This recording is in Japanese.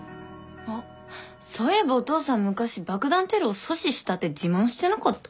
あっそういえばお父さん昔爆弾テロを阻止したって自慢してなかった？